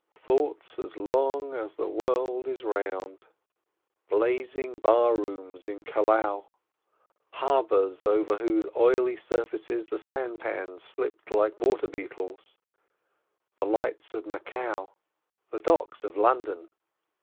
Thoughts as long as the world is round. Blazing bar rooms in Callao—harbours over whose oily surfaces the sampans slipped like water beetles—the lights of Macao—the docks of London.